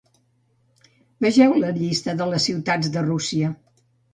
Vegeu la Llista de les ciutats de Rússia.